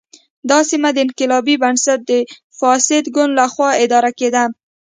دا سیمه د انقلابي بنسټ د فاسد ګوند له خوا اداره کېده.